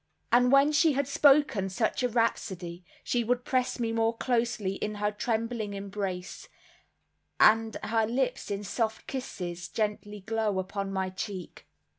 And when she had spoken such a rhapsody, she would press me more closely in her trembling embrace, and her lips in soft kisses gently glow upon my cheek.